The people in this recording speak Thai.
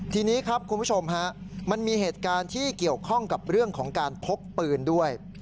ทีนี้ครับคุณผู้ชมฮะมันมีเหตุการณ์ที่เกี่ยวข้องกับเรื่องของการพกปืนด้วย